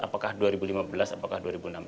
apakah dua ribu lima belas apakah dua ribu enam belas